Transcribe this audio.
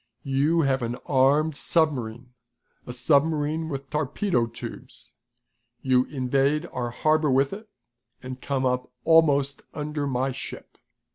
"You have an armed submarine a submarine with torpedo tubes. You invade our harbor with it, and come up almost under my ship.